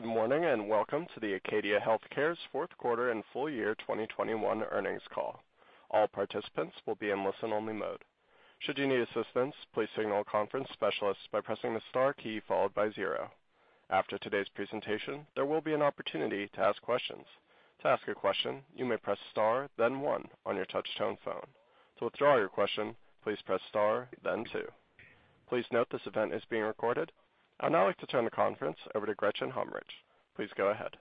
Good morning, and welcome to the Acadia Healthcare's fourth quarter and full year 2021 earnings call. All participants will be in listen-only mode. Should you need assistance, please signal a conference specialist by pressing the star key followed by zero. After today's presentation, there will be an opportunity to ask questions. To ask a question, you may press star then one on your touch-tone phone. To withdraw your question, please press star then two. Please note this event is being recorded. I'd now like to turn the conference over to Gretchen Hommrich. Please go ahead.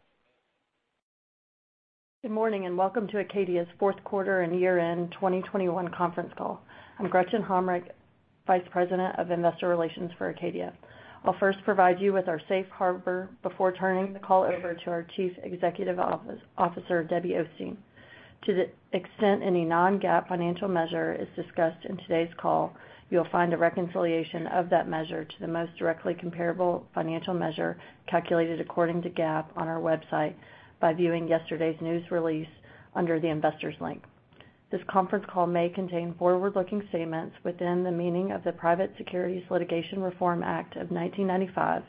Good morning, and welcome to Acadia's fourth quarter and year-end 2021 conference call. I'm Gretchen Hommrich, Vice President of Investor Relations for Acadia. I'll first provide you with our safe harbor before turning the call over to our Chief Executive Officer, Debbie Osteen. To the extent any non-GAAP financial measure is discussed in today's call, you'll find a reconciliation of that measure to the most directly comparable financial measure calculated according to GAAP on our website by viewing yesterday's news release under the Investors link. This conference call may contain forward-looking statements within the meaning of the Private Securities Litigation Reform Act of 1995,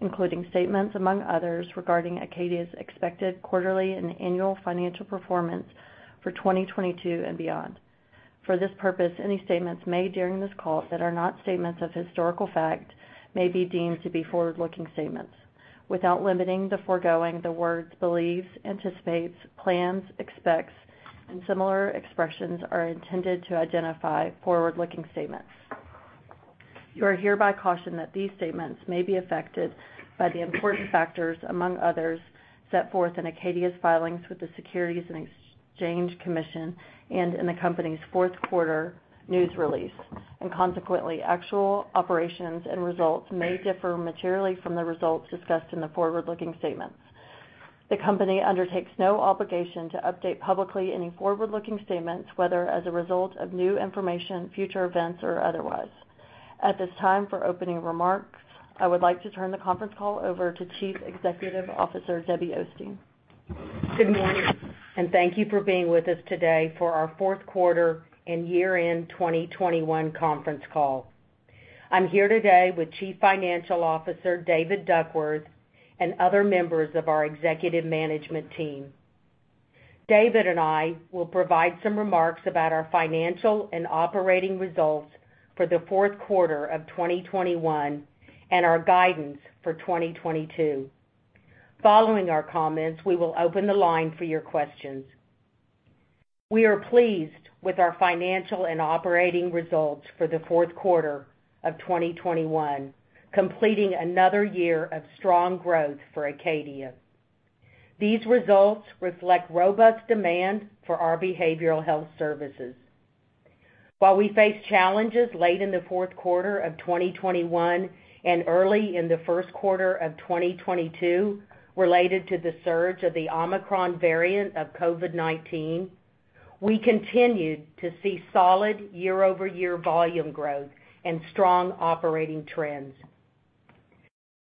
including statements, among others, regarding Acadia's expected quarterly and annual financial performance for 2022 and beyond. For this purpose, any statements made during this call that are not statements of historical fact may be deemed to be forward-looking statements. Without limiting the foregoing, the words believes, anticipates, plans, expects, and similar expressions are intended to identify forward-looking statements. You are hereby cautioned that these statements may be affected by the important factors, among others, set forth in Acadia's filings with the Securities and Exchange Commission and in the company's fourth quarter news release. Consequently, actual operations and results may differ materially from the results discussed in the forward-looking statements. The company undertakes no obligation to update publicly any forward-looking statements, whether as a result of new information, future events, or otherwise. At this time, for opening remarks, I would like to turn the conference call over to Chief Executive Officer Debra K. Osteen. Good morning, and thank you for being with us today for our fourth quarter and year-end 2021 conference call. I'm here today with Chief Financial Officer David Duckworth and other members of our executive management team. David and I will provide some remarks about our financial and operating results for the fourth quarter of 2021 and our guidance for 2022. Following our comments, we will open the line for your questions. We are pleased with our financial and operating results for the fourth quarter of 2021, completing another year of strong growth for Acadia. These results reflect robust demand for our behavioral health services. While we face challenges late in the fourth quarter of 2021 and early in the first quarter of 2022 related to the surge of the Omicron variant of COVID-19, we continued to see solid year-over-year volume growth and strong operating trends.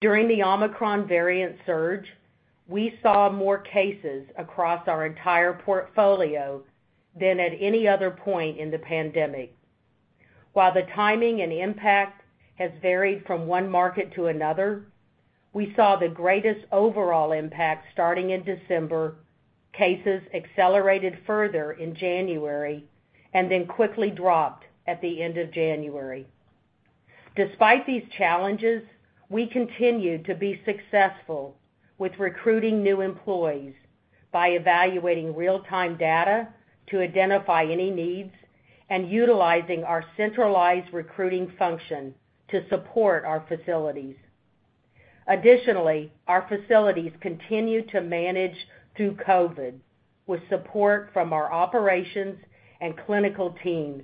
During the Omicron variant surge, we saw more cases across our entire portfolio than at any other point in the pandemic. While the timing and impact has varied from one market to another, we saw the greatest overall impact starting in December, cases accelerated further in January, and then quickly dropped at the end of January. Despite these challenges, we continued to be successful with recruiting new employees by evaluating real-time data to identify any needs and utilizing our centralized recruiting function to support our facilities. Additionally, our facilities continued to manage through COVID with support from our operations and clinical teams,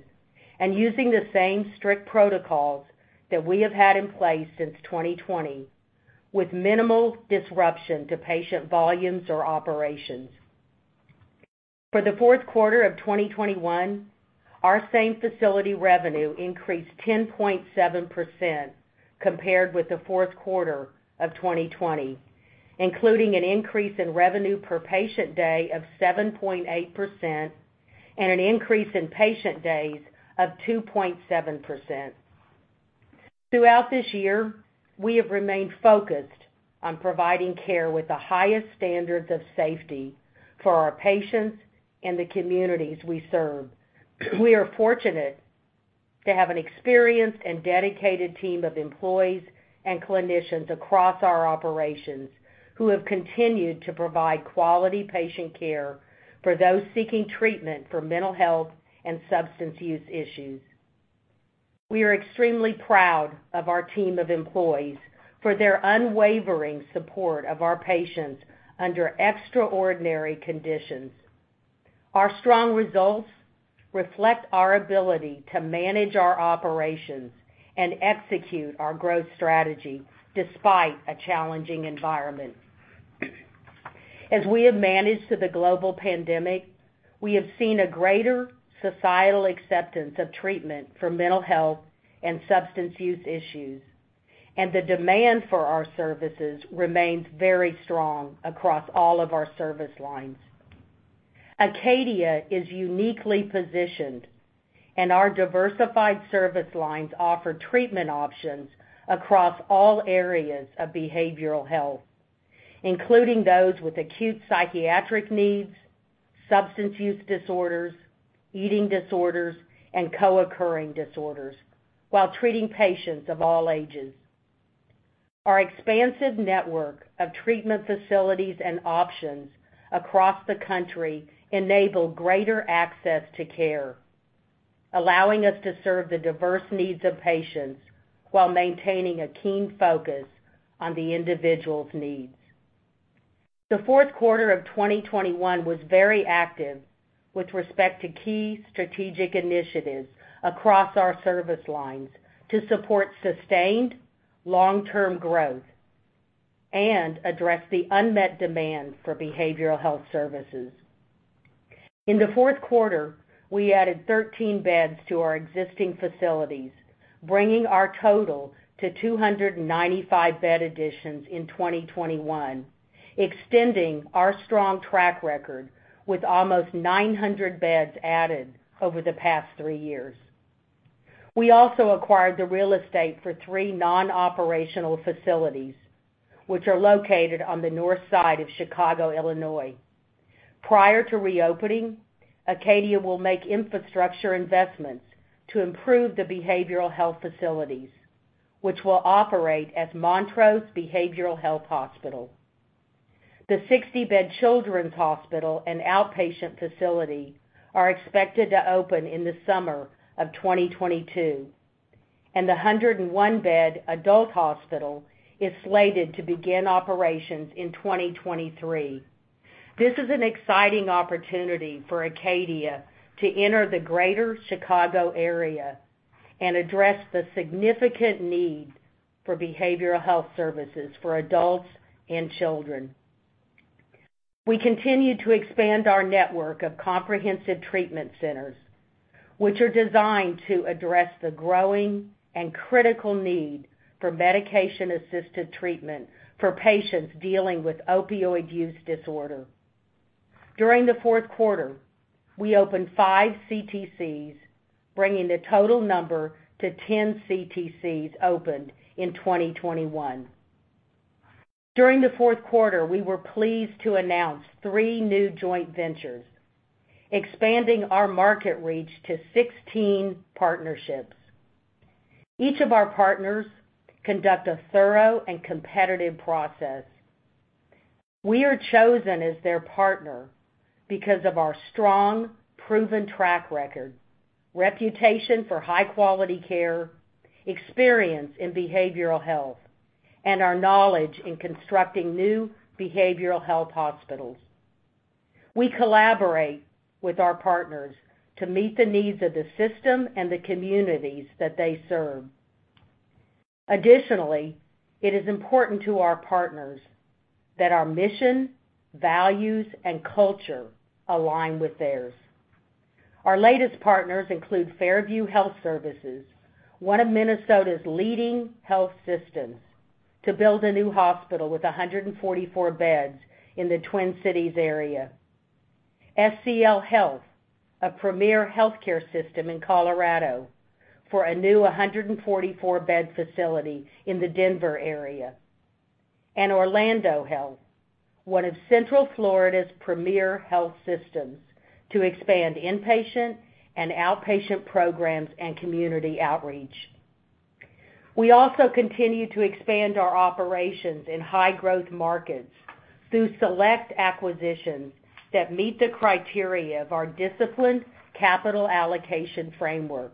and using the same strict protocols that we have had in place since 2020, with minimal disruption to patient volumes or operations. For the fourth quarter of 2021, our same facility revenue increased 10.7% compared with the fourth quarter of 2020, including an increase in revenue per patient day of 7.8% and an increase in patient days of 2.7%. Throughout this year, we have remained focused on providing care with the highest standards of safety for our patients and the communities we serve. We are fortunate to have an experienced and dedicated team of employees and clinicians across our operations who have continued to provide quality patient care for those seeking treatment for mental health and substance use issues. We are extremely proud of our team of employees for their unwavering support of our patients under extraordinary conditions. Our strong results reflect our ability to manage our operations and execute our growth strategy despite a challenging environment. As we have managed through the global pandemic, we have seen a greater societal acceptance of treatment for mental health and substance use issues, and the demand for our services remains very strong across all of our service lines. Acadia is uniquely positioned, and our diversified service lines offer treatment options across all areas of behavioral health, including those with acute psychiatric needs, substance use disorders, eating disorders, and co-occurring disorders while treating patients of all ages. Our expansive network of treatment facilities and options across the country enable greater access to care, allowing us to serve the diverse needs of patients while maintaining a keen focus on the individual's needs. The fourth quarter of 2021 was very active with respect to key strategic initiatives across our service lines to support sustained long-term growth and address the unmet demand for behavioral health services. In the fourth quarter, we added 13 beds to our existing facilities, bringing our total to 295 bed additions in 2021, extending our strong track record with almost 900 beds added over the past three years. We also acquired the real estate for three non-operational facilities, which are located on the north side of Chicago, Illinois. Prior to reopening, Acadia will make infrastructure investments to improve the behavioral health facilities, which will operate as Montrose Behavioral Health Hospital. The 60-bed children's hospital and outpatient facility are expected to open in the summer of 2022, and the 101-bed adult hospital is slated to begin operations in 2023. This is an exciting opportunity for Acadia to enter the Greater Chicago area and address the significant need for behavioral health services for adults and children. We continue to expand our network of comprehensive treatment centers, which are designed to address the growing and critical need for medication-assisted treatment for patients dealing with opioid use disorder. During the fourth quarter, we opened 5 CTCs, bringing the total number to 10 CTCs opened in 2021. During the fourth quarter, we were pleased to announce three new joint ventures, expanding our market reach to 16 partnerships. Each of our partners conduct a thorough and competitive process. We are chosen as their partner because of our strong, proven track record, reputation for high-quality care, experience in behavioral health, and our knowledge in constructing new behavioral health hospitals. We collaborate with our partners to meet the needs of the system and the communities that they serve. Additionally, it is important to our partners that our mission, values, and culture align with theirs. Our latest partners include Fairview Health Services, one of Minnesota's leading health systems, to build a new hospital with 144 beds in the Twin Cities area, SCL Health, a premier healthcare system in Colorado, for a new 144-bed facility in the Denver area, Orlando Health, one of Central Florida's premier health systems, to expand inpatient and outpatient programs and community outreach. We also continue to expand our operations in high-growth markets through select acquisitions that meet the criteria of our disciplined capital allocation framework.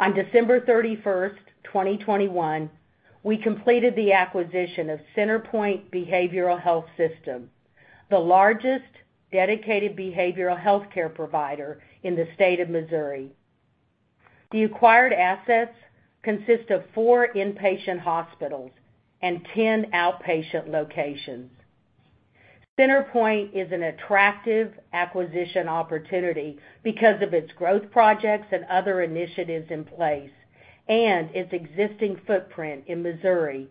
On December 31, 2021, we completed the acquisition of CenterPointe Behavioral Health System, the largest dedicated behavioral healthcare provider in the state of Missouri. The acquired assets consist of four inpatient hospitals and 10 outpatient locations. CenterPointe is an attractive acquisition opportunity because of its growth projects and other initiatives in place and its existing footprint in Missouri,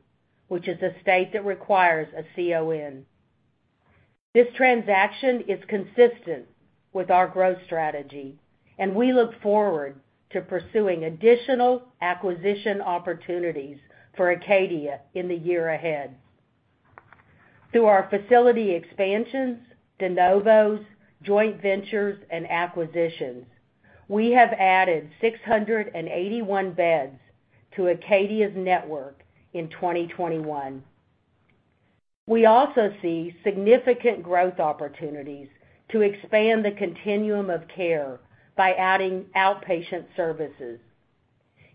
which is a state that requires a CON. This transaction is consistent with our growth strategy, and we look forward to pursuing additional acquisition opportunities for Acadia in the year ahead. Through our facility expansions, de novos, joint ventures, and acquisitions, we have added 681 beds to Acadia's network in 2021. We also see significant growth opportunities to expand the continuum of care by adding outpatient services.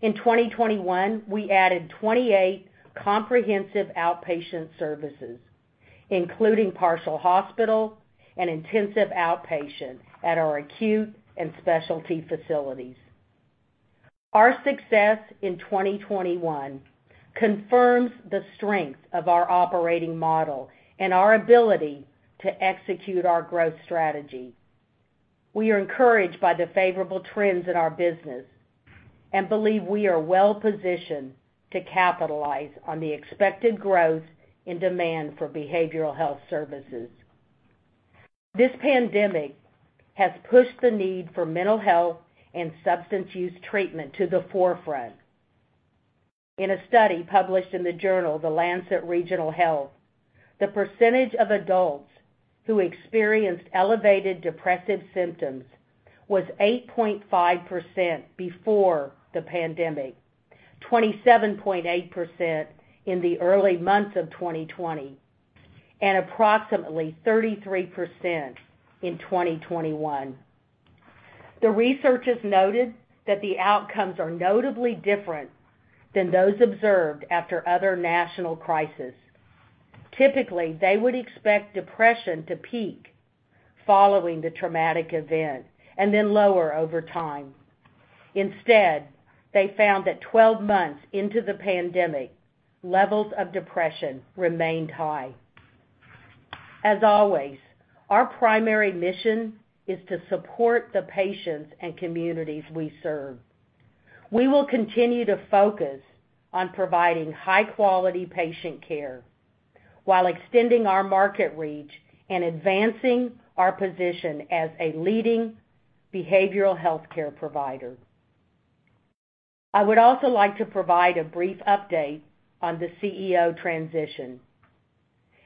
In 2021, we added 28 comprehensive outpatient services, including partial hospital and intensive outpatient at our acute and specialty facilities. Our success in 2021 confirms the strength of our operating model and our ability to execute our growth strategy. We are encouraged by the favorable trends in our business and believe we are well-positioned to capitalize on the expected growth and demand for behavioral health services. This pandemic has pushed the need for mental health and substance use treatment to the forefront. In a study published in the journal, The Lancet Regional Health, the percentage of adults who experienced elevated depressive symptoms was 8.5% before the pandemic, 27.8% in the early months of 2020, and approximately 33% in 2021. The researchers noted that the outcomes are notably different than those observed after other national crisis. Typically, they would expect depression to peak following the traumatic event and then lower over time. Instead, they found that 12 months into the pandemic, levels of depression remained high. As always, our primary mission is to support the patients and communities we serve. We will continue to focus on providing high-quality patient care while extending our market reach and advancing our position as a leading behavioral healthcare provider. I would also like to provide a brief update on the CEO transition.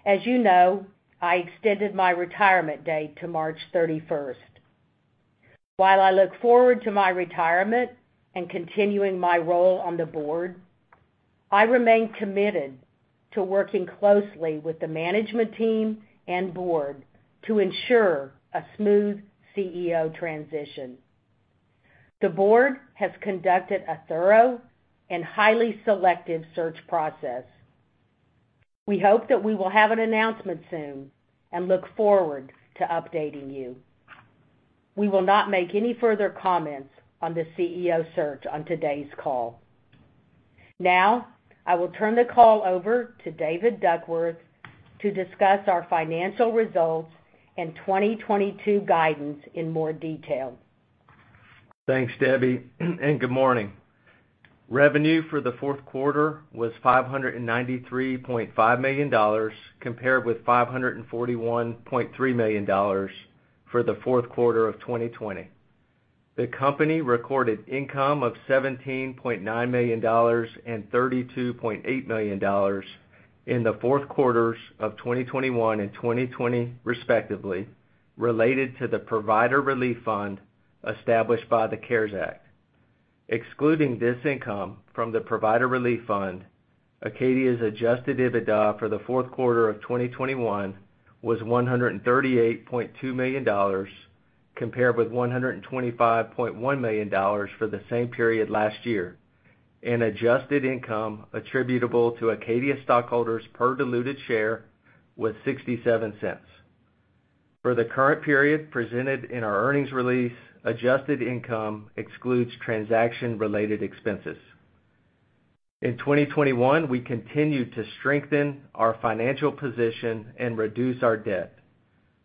As you know, I extended my retirement date to March 31. While I look forward to my retirement and continuing my role on the board, I remain committed to working closely with the management team and board to ensure a smooth CEO transition. The board has conducted a thorough and highly selective search process. We hope that we will have an announcement soon and look forward to updating you. We will not make any further comments on the CEO search on today's call. Now I will turn the call over to David Duckworth to discuss our financial results and 2022 guidance in more detail. Thanks, Debbie, and good morning. Revenue for the fourth quarter was $593.5 million compared with $541.3 million for the fourth quarter of 2020. The company recorded income of $17.9 million and $32.8 million in the fourth quarters of 2021 and 2020, respectively, related to the Provider Relief Fund established by the CARES Act. Excluding this income from the Provider Relief Fund, Acadia's adjusted EBITDA for the fourth quarter of 2021 was $138.2 million compared with $125.1 million for the same period last year, and adjusted income attributable to Acadia stockholders per diluted share was $0.67. For the current period presented in our earnings release, adjusted income excludes transaction-related expenses. In 2021, we continued to strengthen our financial position and reduce our debt.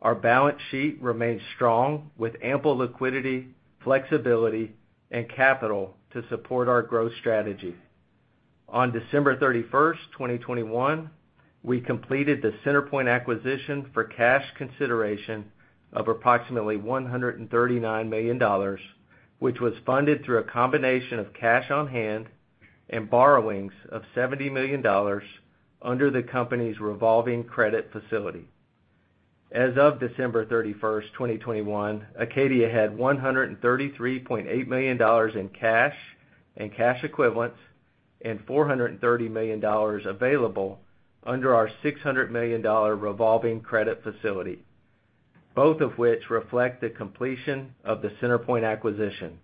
Our balance sheet remains strong with ample liquidity, flexibility, and capital to support our growth strategy. On December 31, 2021, we completed the CenterPointe acquisition for cash consideration of approximately $139 million, which was funded through a combination of cash on hand and borrowings of $70 million under the company's revolving credit facility. As of December 31, 2021, Acadia had $133.8 million in cash and cash equivalents and $430 million available under our $600 million revolving credit facility, both of which reflect the completion of the CenterPointe acquisition.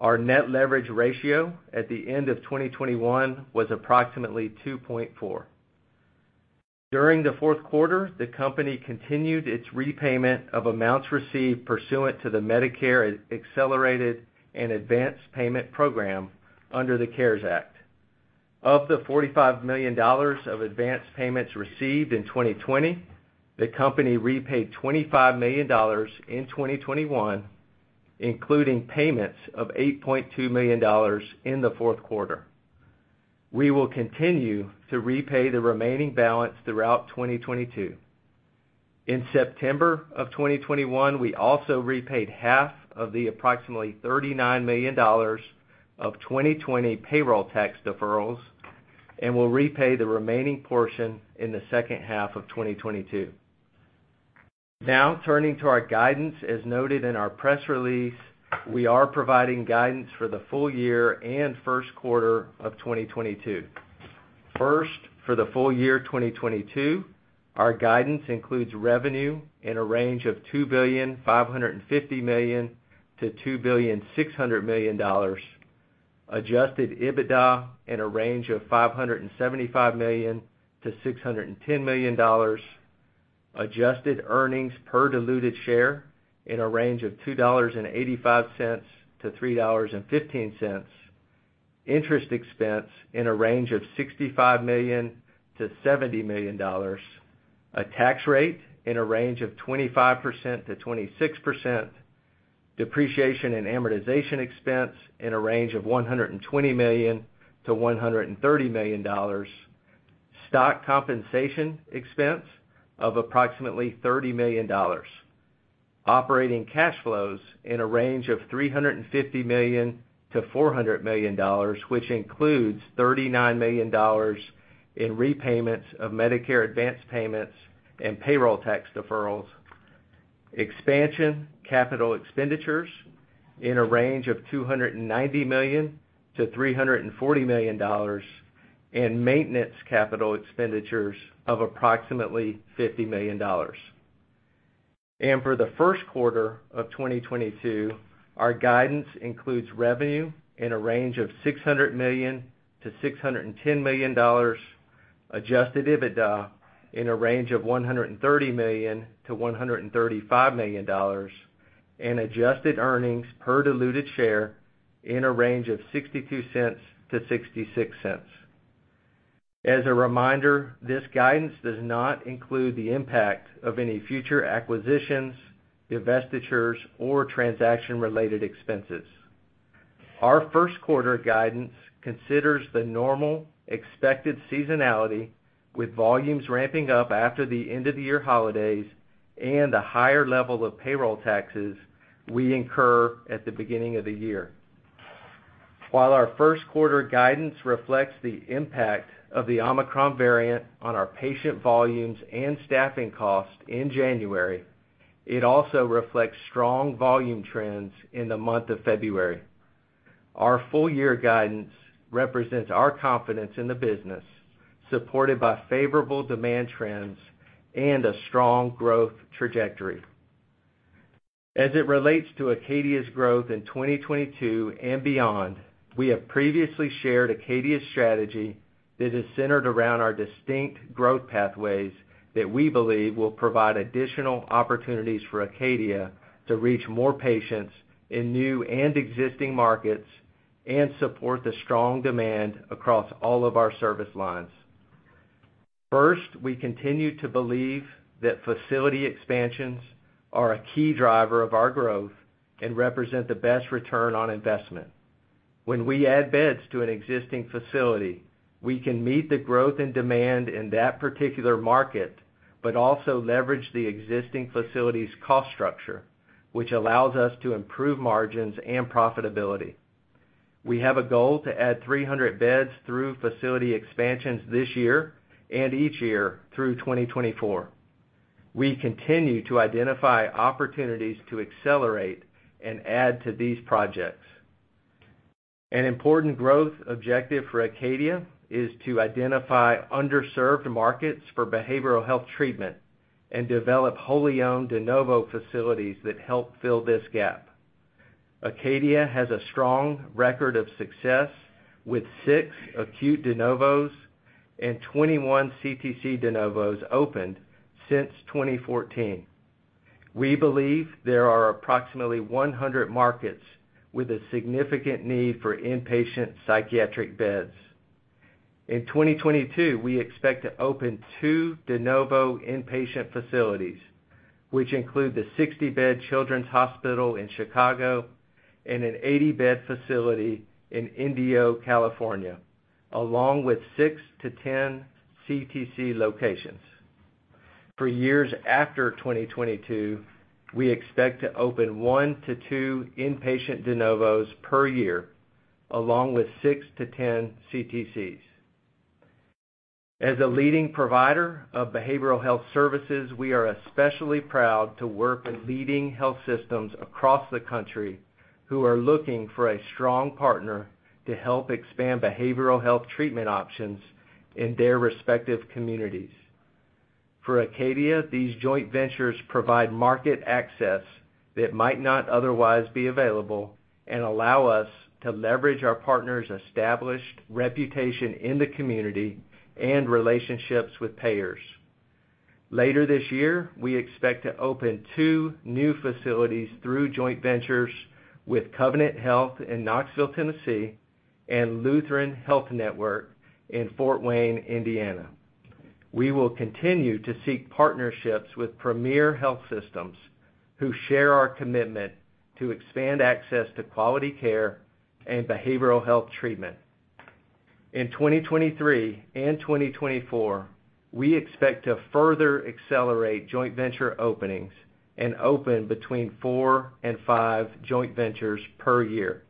Our net leverage ratio at the end of 2021 was approximately 2.4. During the fourth quarter, the company continued its repayment of amounts received pursuant to the Medicare Accelerated and Advanced Payment Program under the CARES Act. Of the $45 million of advanced payments received in 2020, the company repaid $25 million in 2021, including payments of $8.2 million in the fourth quarter. We will continue to repay the remaining balance throughout 2022. In September of 2021, we also repaid half of the approximately $39 million of 2020 payroll tax deferrals and will repay the remaining portion in the second half of 2022. Now turning to our guidance. As noted in our press release, we are providing guidance for the full year and first quarter of 2022. First, for the full year 2022, our guidance includes revenue in a range of $2.55 billion–$2.6 billion, adjusted EBITDA in a range of $575 million–$610 million, adjusted earnings per diluted share in a range of $2.85–$3.15. Interest expense in a range of $65 million–$70 million. A tax rate in a range of 25%–26%. Depreciation and amortization expense in a range of $120 million–$130 million. Stock compensation expense of approximately $30 million. Operating cash flows in a range of $350 million–$400 million, which includes $39 million in repayments of Medicare advanced payments and payroll tax deferrals. Expansion capital expenditures in a range of $290 million–$340 million, and maintenance capital expenditures of approximately $50 million. For the first quarter of 2022, our guidance includes revenue in a range of $600 million–$610 million, adjusted EBITDA in a range of $130 million–$135 million, and adjusted earnings per diluted share in a range of $0.62–$0.66. As a reminder, this guidance does not include the impact of any future acquisitions, divestitures, or transaction-related expenses. Our first quarter guidance considers the normal expected seasonality with volumes ramping up after the end of the year holidays and a higher level of payroll taxes we incur at the beginning of the year. While our first quarter guidance reflects the impact of the Omicron variant on our patient volumes and staffing costs in January, it also reflects strong volume trends in the month of February. Our full year guidance represents our confidence in the business, supported by favorable demand trends and a strong growth trajectory. As it relates to Acadia's growth in 2022 and beyond, we have previously shared Acadia's strategy that is centered around our distinct growth pathways that we believe will provide additional opportunities for Acadia to reach more patients in new and existing markets and support the strong demand across all of our service lines. First, we continue to believe that facility expansions are a key driver of our growth and represent the best return on investment. When we add beds to an existing facility, we can meet the growth and demand in that particular market, but also leverage the existing facility's cost structure, which allows us to improve margins and profitability. We have a goal to add 300 beds through facility expansions this year and each year through 2024. We continue to identify opportunities to accelerate and add to these projects. An important growth objective for Acadia is to identify underserved markets for behavioral health treatment and develop wholly owned de novo facilities that help fill this gap. Acadia has a strong record of success with 6 acute de novos and 21 CTC de novos opened since 2014. We believe there are approximately 100 markets with a significant need for inpatient psychiatric beds. In 2022, we expect to open two de novo inpatient facilities, which include the 60-bed Children's Hospital in Chicago and an 80-bed facility in Indio, California, along with 6-10 CTC locations. For years after 2022, we expect to open one to two inpatient de novos per year, along with 6–10 CTCs. As a leading provider of behavioral health services, we are especially proud to work with leading health systems across the country who are looking for a strong partner to help expand behavioral health treatment options in their respective communities. For Acadia, these joint ventures provide market access that might not otherwise be available and allow us to leverage our partners' established reputation in the community and relationships with payers. Later this year, we expect to open two new facilities through joint ventures with Covenant Health in Knoxville, Tennessee and Lutheran Health Network in Fort Wayne, Indiana. We will continue to seek partnerships with premier health systems who share our commitment to expand access to quality care and behavioral health treatment. In 2023 and 2024, we expect to further accelerate joint venture openings and open between 4 and 5 joint ventures per year.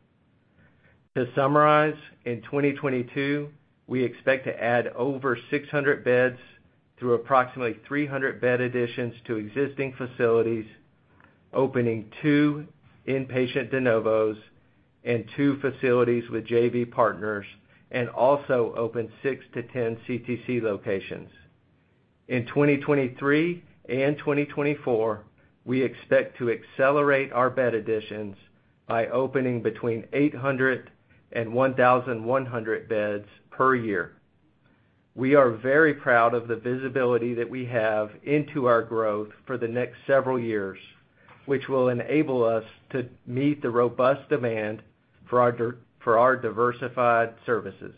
To summarize, in 2022, we expect to add over 600 beds through approximately 300 bed additions to existing facilities, opening two inpatient de novos and two facilities with JV partners, and also open 6-10 CTC locations. In 2023 and 2024, we expect to accelerate our bed additions by opening between 800 and 1,100 beds per year. We are very proud of the visibility that we have into our growth for the next several years, which will enable us to meet the robust demand for our diversified services.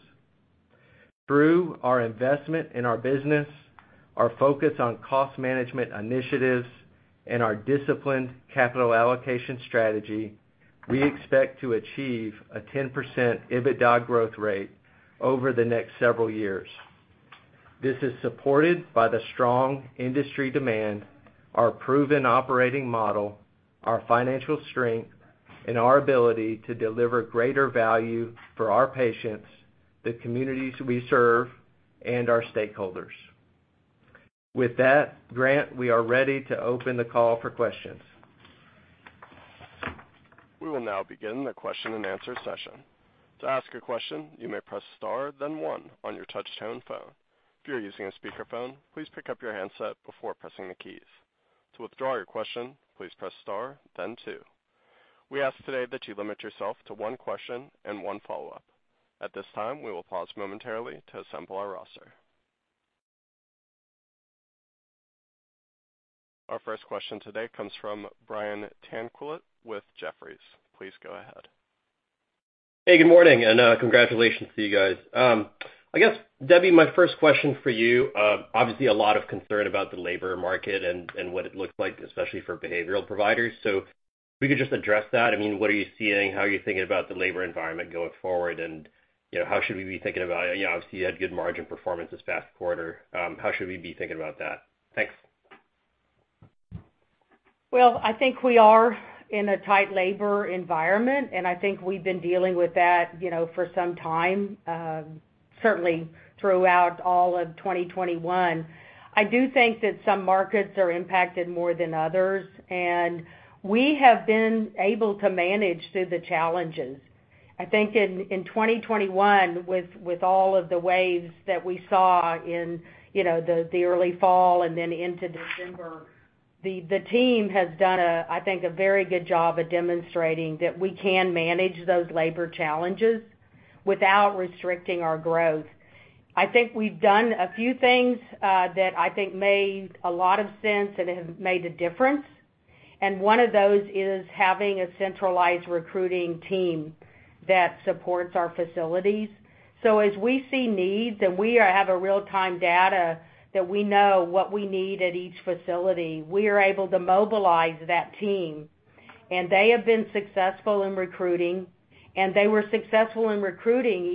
Through our investment in our business, our focus on cost management initiatives, and our disciplined capital allocation strategy, we expect to achieve a 10% EBITDA growth rate over the next several years. This is supported by the strong industry demand, our proven operating model, our financial strength, and our ability to deliver greater value for our patients, the communities we serve, and our stakeholders. With that, Grant, we are ready to open the call for questions. We will now begin the question-and-answer session. To ask a question, you may press star then one on your touch-tone phone. If you are using a speakerphone, please pick up your handset before pressing the keys. To withdraw your question, please press star then two. We ask today that you limit yourself to one question and one follow-up. At this time, we will pause momentarily to assemble our roster. Our first question today comes from Brian Tanquilut with Jefferies. Please go ahead. Hey, good morning, and congratulations to you guys. I guess, Debbie, my first question for you, obviously a lot of concern about the labor market and what it looks like, especially for behavioral providers. If you could just address that. I mean, what are you seeing? How are you thinking about the labor environment going forward? You know, how should we be thinking about it? You know, obviously you had good margin performance this past quarter. How should we be thinking about that? Thanks. Well, I think we are in a tight labor environment, and I think we've been dealing with that, you know, for some time, certainly throughout all of 2021. I do think that some markets are impacted more than others, and we have been able to manage through the challenges. I think in 2021, with all of the waves that we saw in, you know, the early fall and then into December, the team has done a, I think, a very good job at demonstrating that we can manage those labor challenges without restricting our growth. I think we've done a few things, that I think made a lot of sense and have made a difference. One of those is having a centralized recruiting team that supports our facilities. As we see needs, and we have real-time data that we know what we need at each facility, we are able to mobilize that team. They have been successful in recruiting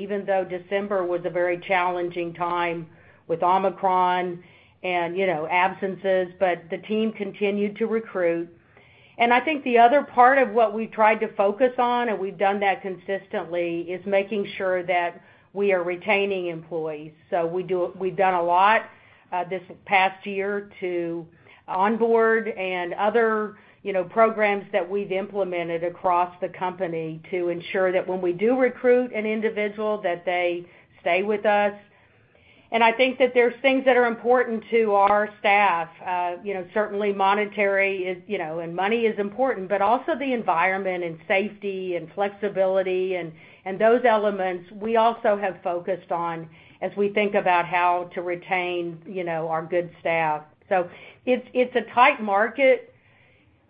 even though December was a very challenging time with Omicron and, you know, absences, but the team continued to recruit. I think the other part of what we tried to focus on, and we've done that consistently, is making sure that we are retaining employees. We've done a lot this past year to onboard and other, you know, programs that we've implemented across the company to ensure that when we do recruit an individual, that they stay with us. I think that there's things that are important to our staff. You know, certainly monetary is, you know, and money is important, but also the environment and safety and flexibility and those elements we also have focused on as we think about how to retain, you know, our good staff. It's a tight market,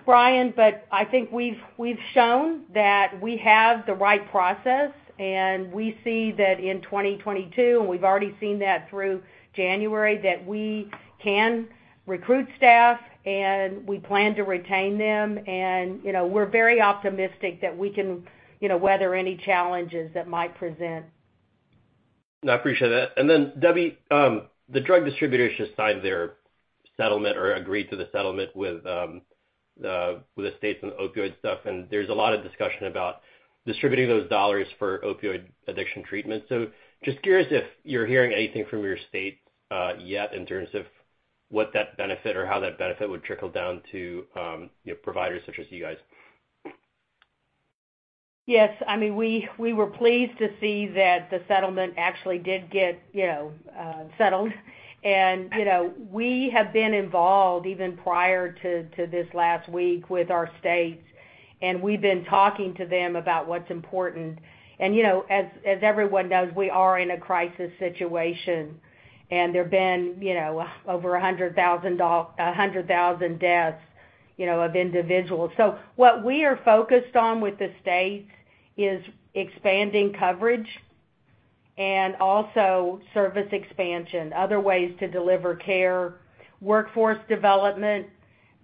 Brian, but I think we've shown that we have the right process, and we see that in 2022, and we've already seen that through January, that we can recruit staff, and we plan to retain them. You know, we're very optimistic that we can, you know, weather any challenges that might present. No, I appreciate that. Debbie, the drug distributors just signed their settlement or agreed to the settlement with the states on the opioid stuff, and there's a lot of discussion about distributing those dollars for opioid addiction treatment. Just curious if you're hearing anything from your state yet in terms of what that benefit or how that benefit would trickle down to you know, providers such as you guys. Yes. I mean, we were pleased to see that the settlement actually did get, you know, settled. You know, we have been involved even prior to this last week with our states, and we've been talking to them about what's important. You know, as everyone knows, we are in a crisis situation, and there have been, you know, over 100,000 deaths, you know, of individuals. So what we are focused on with the states is expanding coverage and also service expansion, other ways to deliver care, workforce development,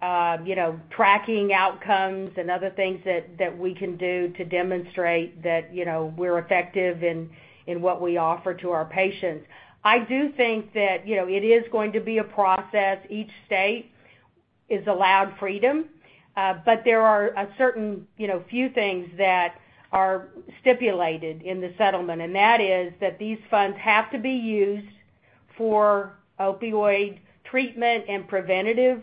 you know, tracking outcomes and other things that we can do to demonstrate that, you know, we're effective in what we offer to our patients. I do think that, you know, it is going to be a process. Each state is allowed freedom, but there are a certain few things that are stipulated in the settlement, and that is that these funds have to be used for opioid treatment and preventative.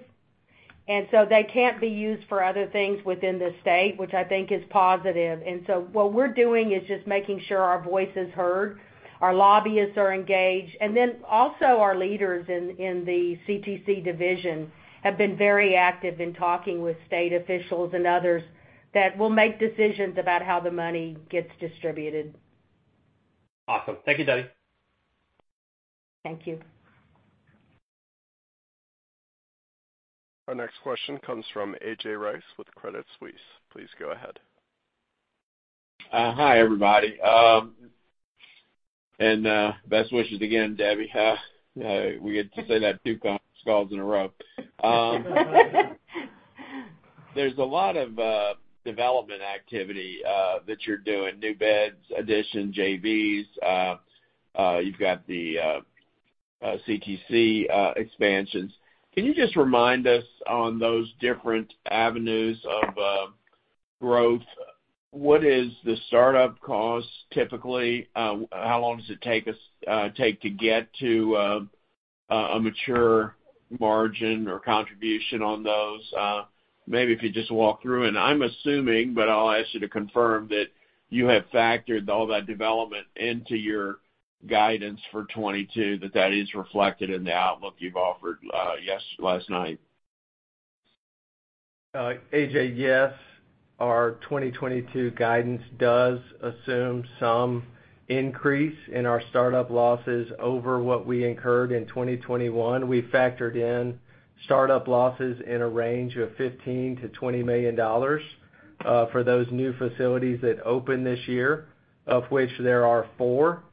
They can't be used for other things within the state, which I think is positive. What we're doing is just making sure our voice is heard, our lobbyists are engaged, and then also our leaders in the CTC division have been very active in talking with state officials and others that will make decisions about how the money gets distributed. Awesome. Thank you, Debbie. Thank you. Our next question comes from A.J. Rice with Credit Suisse. Please go ahead. Hi, everybody. Best wishes again, Debbie. We get to say that two conference calls in a row. There's a lot of development activity that you're doing, new beds, additional JVs. You've got the CTC expansions. Can you just remind us on those different avenues of growth, what is the startup cost typically? How long does it take us to get to a mature margin or contribution on those? Maybe if you just walk through. I'm assuming, but I'll ask you to confirm, that you have factored all that development into your guidance for 2022, that that is reflected in the outlook you've offered, yes, last night. A.J., yes, our 2022 guidance does assume some increase in our startup losses over what we incurred in 2021. We factored in startup losses in a range of $15 million–$20 million for those new facilities that open this year, of which there are four,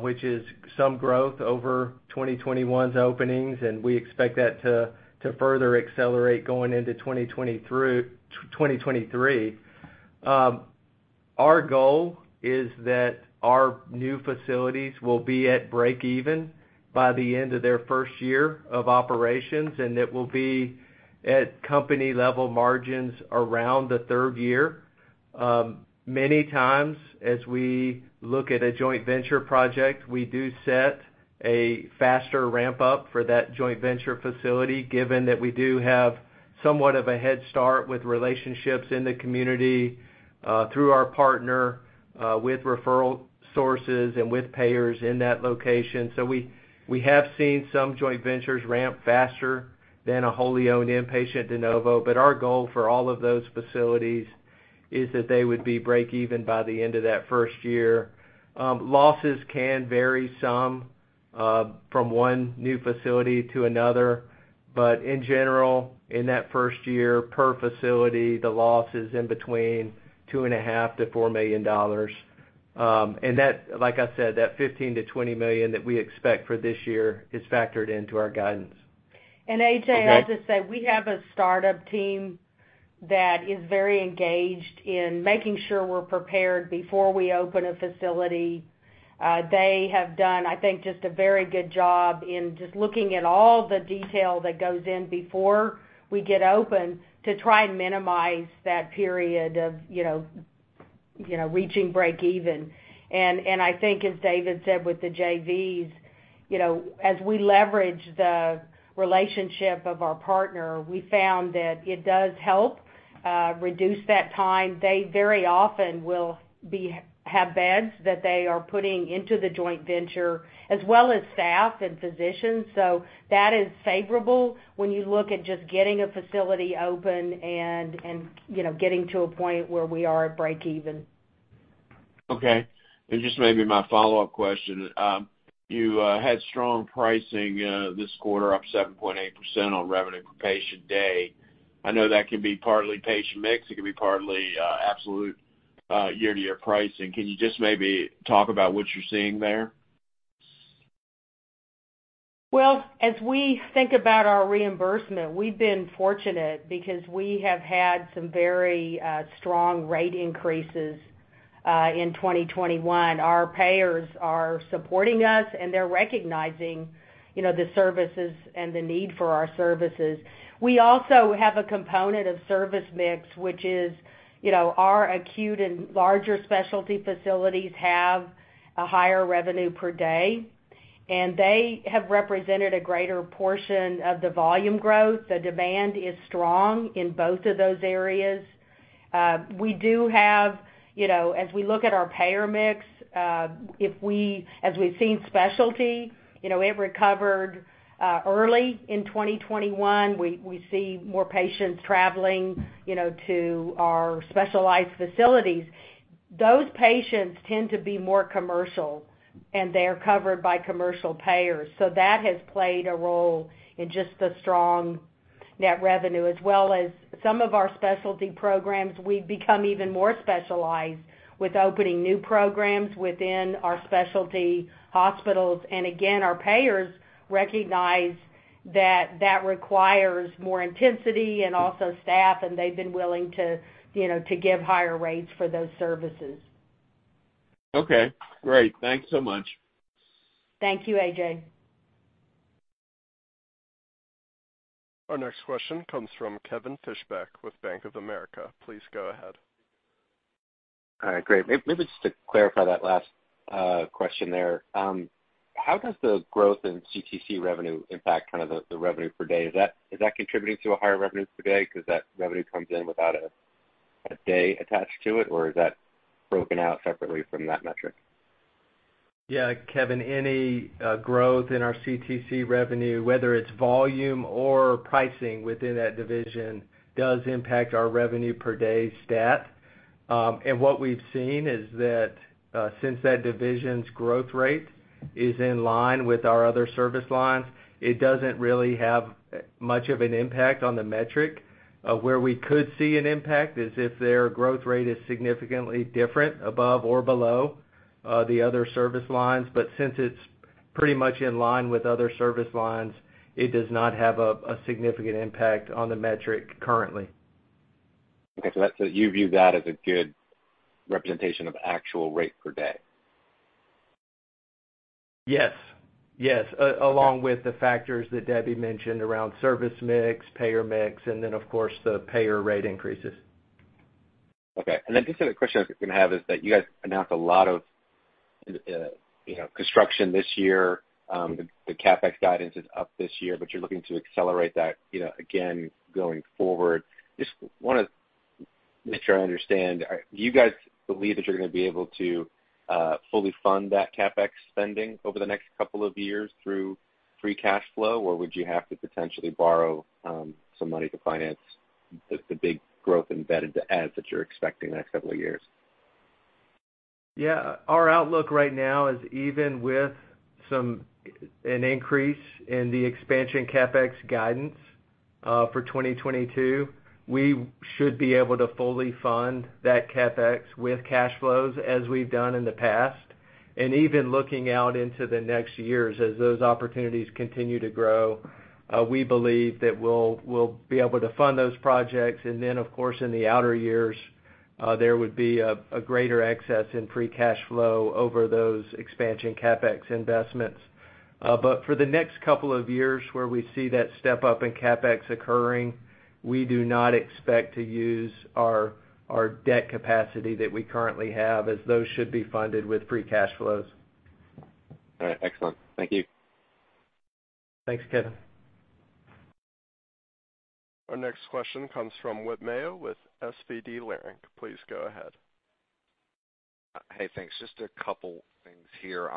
which is some growth over 2021's openings, and we expect that to further accelerate going into 2023. Our goal is that our new facilities will be at break even by the end of their first year of operations, and it will be at company-level margins around the third year. Many times, as we look at a joint venture project, we do set a faster ramp-up for that joint venture facility, given that we do have somewhat of a head start with relationships in the community through our partner with referral sources and with payers in that location. We have seen some joint ventures ramp faster than a wholly owned inpatient de novo. Our goal for all of those facilities is that they would be break even by the end of that first year. Losses can vary some from one new facility to another. In general, in that first year, per facility, the loss is in between $2.5 million–$4 million. And that, like I said, that $15 million–$20 million that we expect for this year is factored into our guidance. A.J., I'll just say, we have a startup team that is very engaged in making sure we're prepared before we open a facility. They have done, I think, just a very good job in just looking at all the detail that goes in before we get open to try and minimize that period of, you know, reaching break even. I think as David said with the JVs, you know, as we leverage the relationship of our partner, we found that it does help reduce that time. They very often will have beds that they are putting into the joint venture, as well as staff and physicians. So that is favorable when you look at just getting a facility open and, you know, getting to a point where we are at break even. Okay. Just maybe my follow-up question. You had strong pricing this quarter, up 7.8% on revenue per patient day. I know that can be partly patient mix. It can be partly absolute year-to-year pricing. Can you just maybe talk about what you're seeing there? Well, as we think about our reimbursement, we've been fortunate because we have had some very strong rate increases in 2021. Our payers are supporting us, and they're recognizing, you know, the services and the need for our services. We also have a component of service mix, which is, you know, our acute and larger specialty facilities have a higher revenue per day, and they have represented a greater portion of the volume growth. The demand is strong in both of those areas. We do have, you know, as we look at our payer mix, if we, as we've seen specialty, you know, it recovered early in 2021. We see more patients traveling, you know, to our specialized facilities. Those patients tend to be more commercial, and they're covered by commercial payers. That has played a role in just the strong net revenue, as well as some of our specialty programs. We've become even more specialized with opening new programs within our specialty hospitals. Again, our payers recognize that that requires more intensity and also staff, and they've been willing to, you know, to give higher rates for those services. Okay, great. Thanks so much. Thank you, A.J. Our next question comes from Kevin Fischbeck with Bank of America. Please go ahead. All right. Great. Maybe just to clarify that last question there. How does the growth in CTC revenue impact kind of the revenue per day? Is that contributing to a higher revenue per day because that revenue comes in without a day attached to it, or is that broken out separately from that metric? Yeah, Kevin, any growth in our CTC revenue, whether it's volume or pricing within that division, does impact our revenue per day stat. What we've seen is that since that division's growth rate is in line with our other service lines. It doesn't really have much of an impact on the metric. Where we could see an impact is if their growth rate is significantly different above or below the other service lines. Since it's pretty much in line with other service lines, it does not have a significant impact on the metric currently. Okay. You view that as a good representation of actual rate per day? Yes. Yes. Okay. Along with the factors that Debbie mentioned around service mix, payer mix, and then of course, the payer rate increases. Okay. Just another question I was gonna have is that you guys announced a lot of, you know, construction this year. The CapEx guidance is up this year, but you're looking to accelerate that, you know, again, going forward. Just wanna make sure I understand. Do you guys believe that you're gonna be able to fully fund that CapEx spending over the next couple of years through free cash flow? Or would you have to potentially borrow some money to finance the big growth in bed adds that you're expecting the next couple of years? Yeah. Our outlook right now is even with some an increase in the expansion CapEx guidance for 2022, we should be able to fully fund that CapEx with cash flows as we've done in the past. Even looking out into the next years, as those opportunities continue to grow, we believe that we'll be able to fund those projects. Of course, in the outer years, there would be a greater excess in free cash flow over those expansion CapEx investments. For the next couple of years where we see that step up in CapEx occurring, we do not expect to use our debt capacity that we currently have as those should be funded with free cash flows. All right. Excellent. Thank you. Thanks, Kevin. Our next question comes from Whit Mayo with SVB Leerink. Please go ahead. Hey, thanks. Just a couple things here.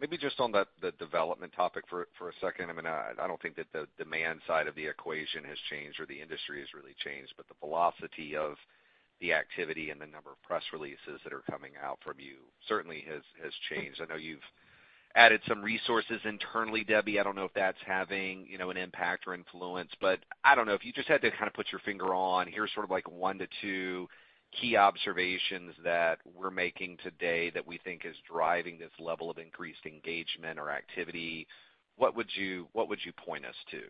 Maybe just on the development topic for a second. I mean, I don't think that the demand side of the equation has changed or the industry has really changed, but the velocity of the activity and the number of press releases that are coming out from you certainly has changed. I know you've added some resources internally, Debbie. I don't know if that's having, you know, an impact or influence, but I don't know. If you just had to kind of put your finger on, here's sort of like one to two key observations that we're making today that we think is driving this level of increased engagement or activity, what would you point us to?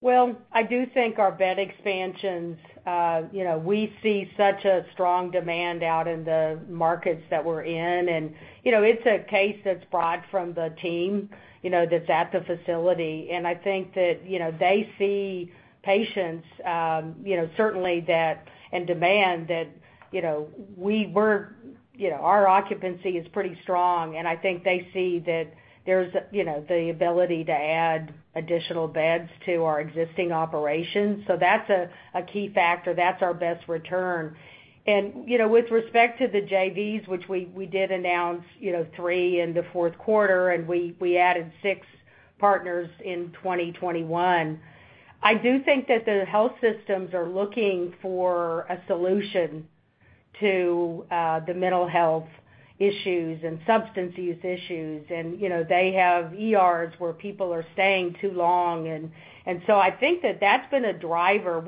Well, I do think our bed expansions, we see such a strong demand out in the markets that we're in. You know, it's a case that's brought from the team, you know, that's at the facility. I think that, you know, they see patients, certainly that and demand that, you know, we're, you know, our occupancy is pretty strong, and I think they see that there's, you know, the ability to add additional beds to our existing operations. That's a key factor. That's our best return. With respect to the JVs, which we did announce, you know, three in the fourth quarter and we added 6 partners in 2021, I do think that the health systems are looking for a solution to the mental health issues and substance use issues. You know, they have ERs where people are staying too long. You know, I think that that's been a driver.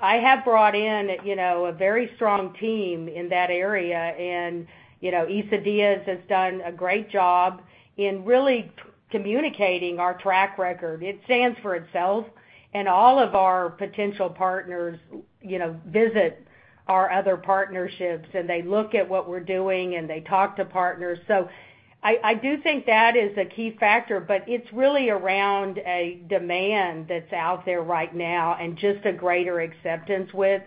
I have brought in, you know, a very strong team in that area. You know, Isa Diaz has done a great job in really communicating our track record. It stands for itself. All of our potential partners, you know, visit our other partnerships, and they look at what we're doing, and they talk to partners. I do think that is a key factor, but it's really around a demand that's out there right now and just a greater acceptance with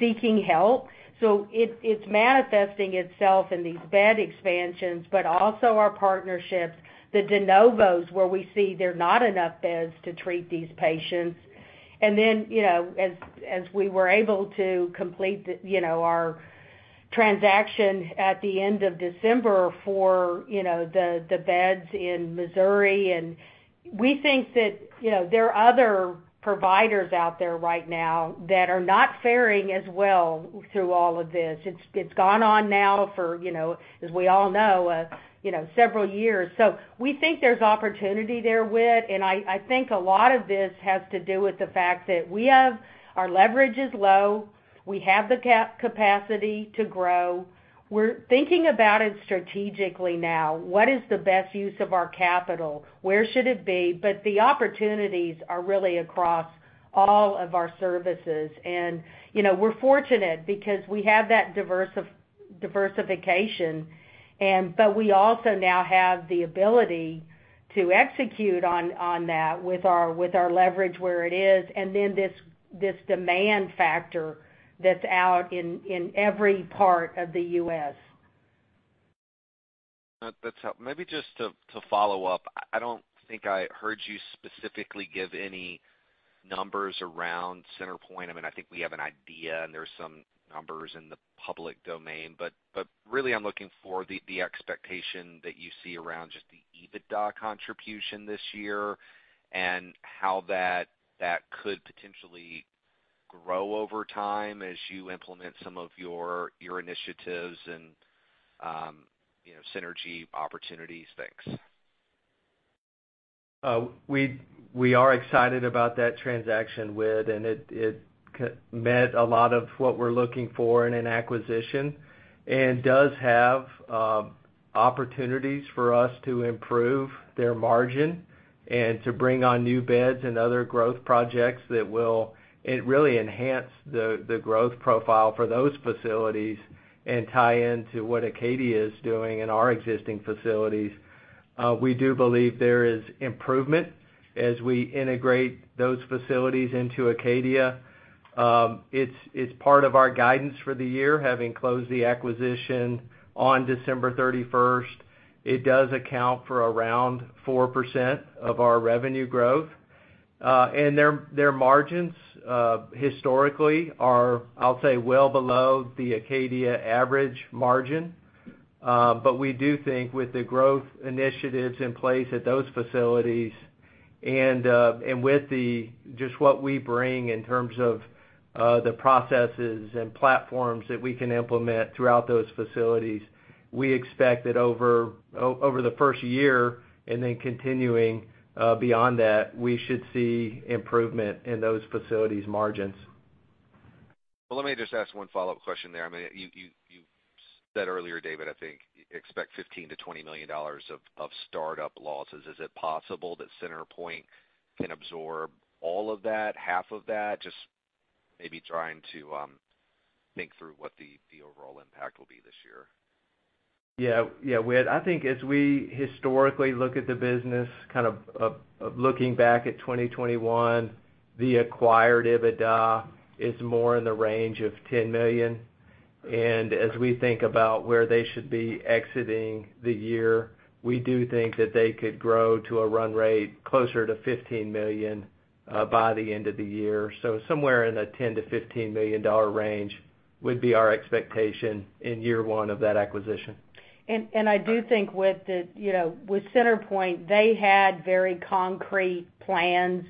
seeking help. It's manifesting itself in these bed expansions, but also our partnerships, the de novos where we see there are not enough beds to treat these patients. Then, you know, as we were able to complete the, you know, our transaction at the end of December for, you know, the beds in Missouri. We think that, you know, there are other providers out there right now that are not faring as well through all of this. It's gone on now for, you know, as we all know, several years. We think there's opportunity there, Whit, and I think a lot of this has to do with the fact that we have our leverage is low. We have the capacity to grow. We're thinking about it strategically now, what is the best use of our capital? Where should it be? The opportunities are really across all of our services. You know, we're fortunate because we have that diversification and, but we also now have the ability to execute on that with our leverage where it is, and then this demand factor that's out in every part of the U.S. That's helpful. Maybe just to follow up, I don't think I heard you specifically give any numbers around CenterPointe. I mean, I think we have an idea and there's some numbers in the public domain. But really I'm looking for the expectation that you see around just the EBITDA contribution this year and how that could potentially grow over time as you implement some of your initiatives and, you know, synergy opportunities? Thanks. We are excited about that transaction with, and it met a lot of what we're looking for in an acquisition and does have opportunities for us to improve their margin and to bring on new beds and other growth projects that will really enhance the growth profile for those facilities and tie into what Acadia is doing in our existing facilities. We do believe there is improvement as we integrate those facilities into Acadia. It's part of our guidance for the year, having closed the acquisition on December thirty-first. It does account for around 4% of our revenue growth. Their margins historically are, I'll say, well below the Acadia average margin. We do think with the growth initiatives in place at those facilities and with just what we bring in terms of the processes and platforms that we can implement throughout those facilities, we expect that over the first year and then continuing beyond that, we should see improvement in those facilities' margins. Well, let me just ask one follow-up question there. I mean, you said earlier, David, I think you expect $15 million–$20 million of startup losses. Is it possible that CenterPointe can absorb all of that, half of that? Just maybe trying to think through what the overall impact will be this year. Yeah. Yeah, Whit. I think as we historically look at the business, kind of looking back at 2021, the acquired EBITDA is more in the range of $10 million. As we think about where they should be exiting the year, we do think that they could grow to a run rate closer to $15 million by the end of the year. Somewhere in the $10 million–$15 million range would be our expectation in year one of that acquisition. I do think, you know, with CenterPointe, they had very concrete plans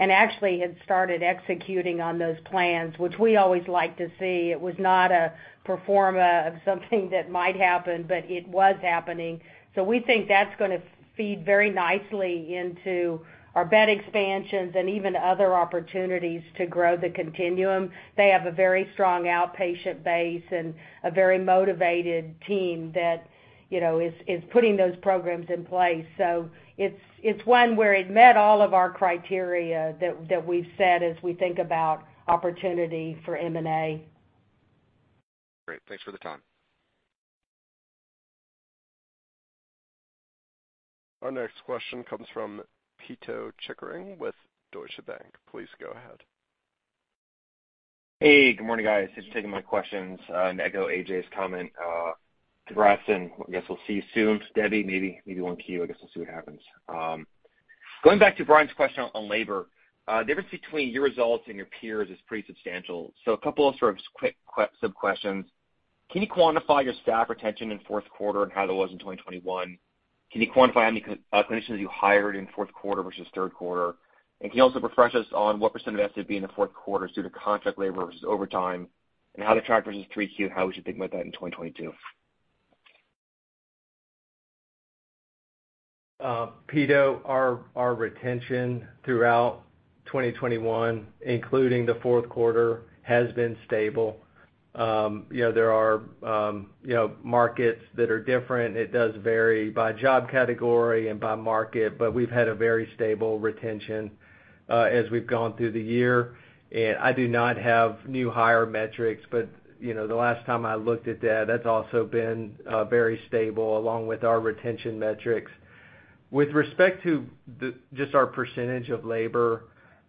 and actually had started executing on those plans, which we always like to see. It was not a pro forma of something that might happen, but it was happening. We think that's gonna feed very nicely into our bed expansions and even other opportunities to grow the continuum. They have a very strong outpatient base and a very motivated team that, you know, is putting those programs in place. It's one where it met all of our criteria that we've set as we think about opportunity for M&A. Great. Thanks for the time. Our next question comes from Pito Chickering with Deutsche Bank. Please go ahead. Hey, good morning, guys. Thanks for taking my questions. To echo A.J.'s comment, to Gretchen Hommrich, I guess we'll see you soon. Debra Osteen, maybe one to you. I guess we'll see what happens. Going back to Brian's question on labor, the difference between your results and your peers is pretty substantial. A couple of sort of quick sub-questions. Can you quantify your staff retention in fourth quarter and how that was in 2021? Can you quantify how many clinicians you hired in fourth quarter versus third quarter? And can you also refresh us on what percent of SWB in the fourth quarter is due to contract labor versus overtime, and how that tracked versus 3Q, and how we should think about that in 2022? Pito, our retention throughout 2021, including the fourth quarter, has been stable. You know, there are markets that are different. It does vary by job category and by market, but we've had a very stable retention as we've gone through the year. I do not have new hire metrics, but you know, the last time I looked at that's also been very stable along with our retention metrics. With respect to just our percentage of labor,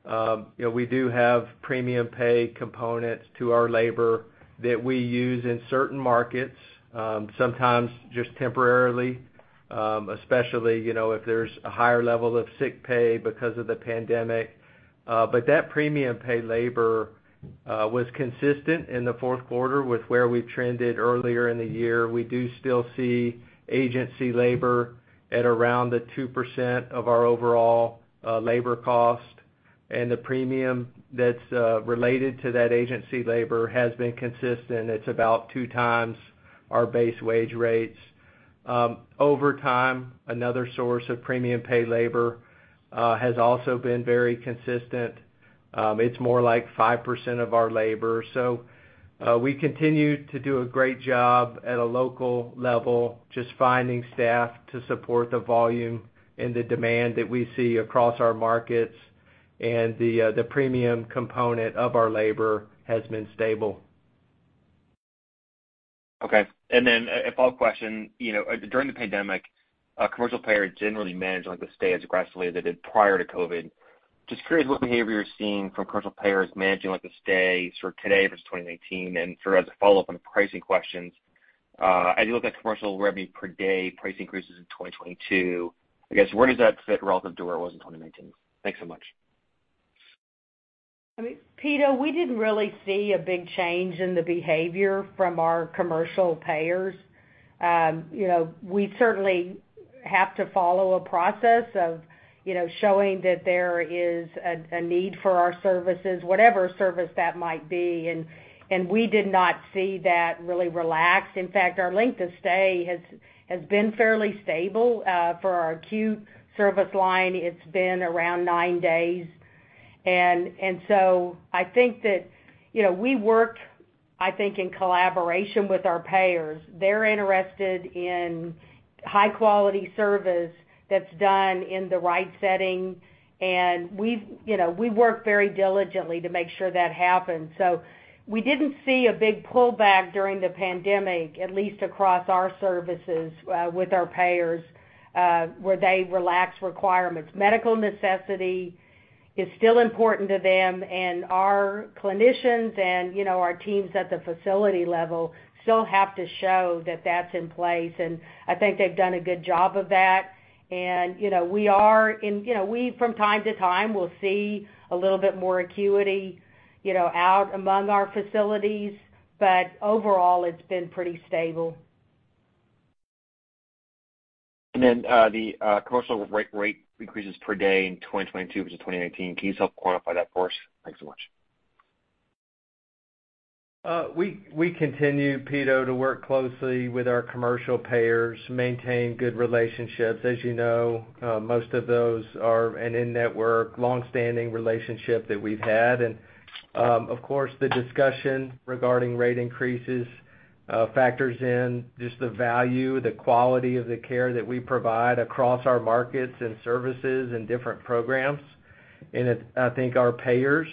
you know, we do have premium pay components to our labor that we use in certain markets, sometimes just temporarily, especially you know, if there's a higher level of sick pay because of the pandemic. That premium pay labor was consistent in the fourth quarter with where we trended earlier in the year. We do still see agency labor at around 2% of our overall labor cost, and the premium that's related to that agency labor has been consistent. It's about two times our base wage rates. Over time, another source of premium pay labor has also been very consistent. It's more like 5% of our labor. We continue to do a great job at a local level just finding staff to support the volume and the demand that we see across our markets. The premium component of our labor has been stable. Okay. Then a follow-up question. You know, during the pandemic, commercial payers generally managed length of stay as aggressively as they did prior to COVID. Just curious what behavior you're seeing from commercial payers managing length of stay sort of today versus 2019. Sort of as a follow-up on the pricing questions, as you look at commercial revenue per day price increases in 2022, I guess where does that fit relative to where it was in 2019? Thanks so much. I mean, Pito, we didn't really see a big change in the behavior from our commercial payers. You know, we certainly have to follow a process of, you know, showing that there is a need for our services, whatever service that might be. We did not see that really relaxed. In fact, our length of stay has been fairly stable. For our acute service line, it's been around nine days. I think that, you know, we work, I think, in collaboration with our payers. They're interested in high quality service that's done in the right setting, and we've, you know, we work very diligently to make sure that happens. We didn't see a big pullback during the pandemic, at least across our services, with our payers, where they relaxed requirements. Medical necessity is still important to them, and our clinicians and, you know, our teams at the facility level still have to show that that's in place. I think they've done a good job of that. You know, we from time to time will see a little bit more acuity, you know, out among our facilities. Overall it's been pretty stable. The commercial rate increases per day in 2022 versus 2019, can you help quantify that for us? Thanks so much. We continue, Pito, to work closely with our commercial payers, maintain good relationships. As you know, most of those are an in-network, long-standing relationship that we've had. Of course, the discussion regarding rate increases factors in just the value, the quality of the care that we provide across our markets and services and different programs. I think our payers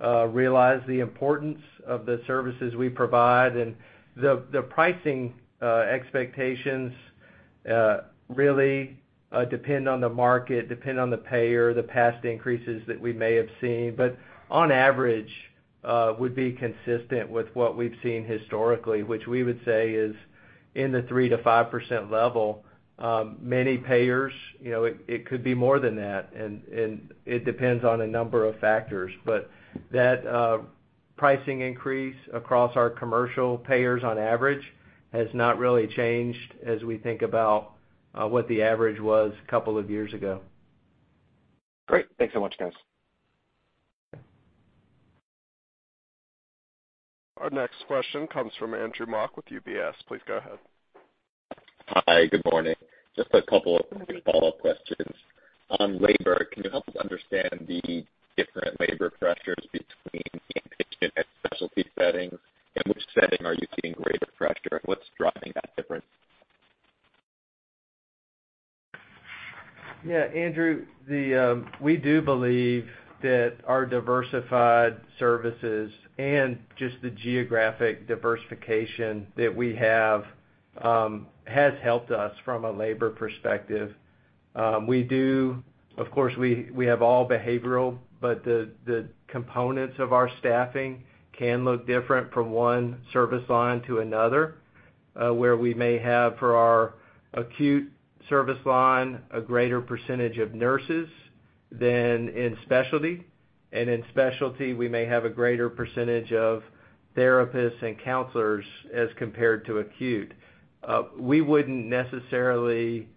realize the importance of the services we provide. The pricing expectations really depend on the market, depend on the payer, the past increases that we may have seen, but on average, would be consistent with what we've seen historically, which we would say is in the 3%-5% level. Many payers, you know, it could be more than that and it depends on a number of factors. That pricing increase across our commercial payers on average has not really changed as we think about what the average was a couple of years ago. Great. Thanks so much, guys. Our next question comes from Andrew Mok with UBS. Please go ahead. Hi. Good morning. Just a couple of follow-up questions. On labor, can you help us understand the different labor pressures between the inpatient and specialty settings, and which setting are you seeing greater pressure? What's driving that difference? Yeah, Andrew, we do believe that our diversified services and just the geographic diversification that we have has helped us from a labor perspective. We do, of course, we have all behavioral, but the components of our staffing can look different from one service line to another, where we may have for our acute service line a greater percentage of nurses than in specialty. In specialty, we may have a greater percentage of therapists and counselors as compared to acute. We wouldn't necessarily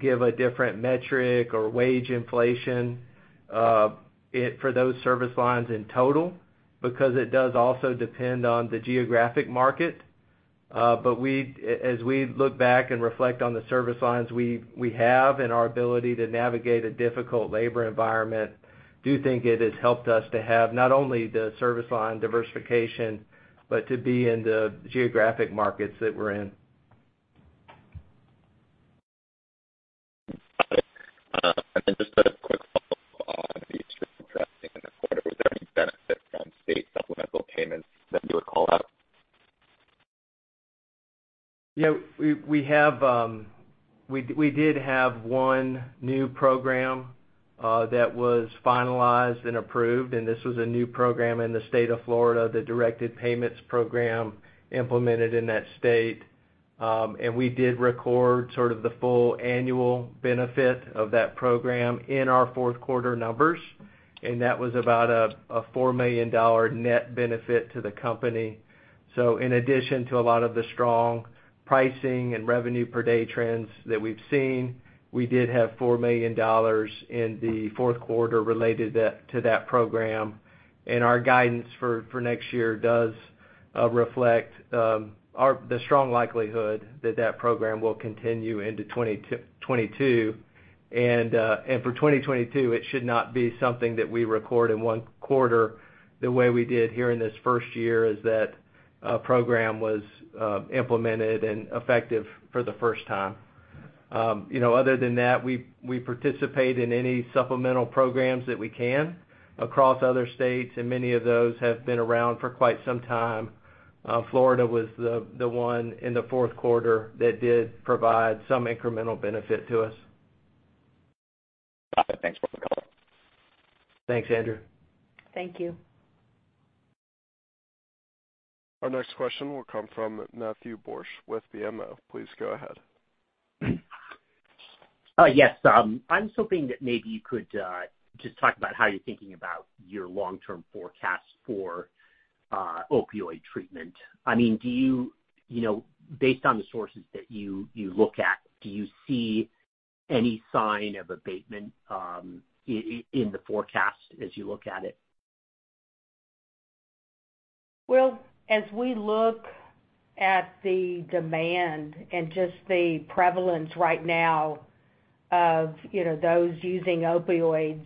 give a different metric or wage inflation for those service lines in total, because it does also depend on the geographic market. As we look back and reflect on the service lines we have and our ability to navigate a difficult labor environment, we do think it has helped us to have not only the service line diversification, but to be in the geographic markets that we're in. Got it. Just a quick follow-up on the strip, addressing in the quarter, was there any benefit from state supplemental payments that you would call out? You know, we did have one new program that was finalized and approved, and this was a new program in the state of Florida, the Directed Payment Program implemented in that state. We did record sort of the full annual benefit of that program in our fourth quarter numbers, and that was about a $4 million net benefit to the company. In addition to a lot of the strong pricing and revenue per day trends that we've seen, we did have $4 million in the fourth quarter related to that program. Our guidance for next year does reflect the strong likelihood that that program will continue into 2022. For 2022, it should not be something that we record in one quarter the way we did here in this first year as that program was implemented and effective for the first time. You know, other than that, we participate in any supplemental programs that we can across other states, and many of those have been around for quite some time. Florida was the one in the fourth quarter that did provide some incremental benefit to us. Got it. Thanks for the call. Thanks, Andrew. Thank you. Our next question will come from Matthew Borsch with BMO. Please go ahead. Yes. I was hoping that maybe you could just talk about how you're thinking about your long-term forecast for opioid treatment. I mean, you know, based on the sources that you look at, do you see any sign of abatement in the forecast as you look at it? Well, as we look at the demand and just the prevalence right now of, you know, those using opioids,